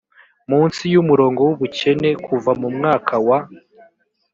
munsi y umurongo w ubukene kuva mu mwaka wa